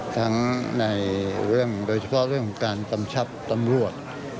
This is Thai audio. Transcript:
ทั้งในเรื่องโดยเฉพาะเรื่องของการกำชับตำรวจ